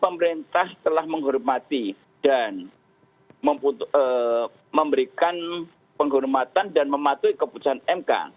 pemerintah telah menghormati dan memberikan penghormatan dan mematuhi keputusan mk